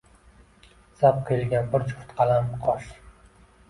Zap qiyilgan bir juft qalam qosh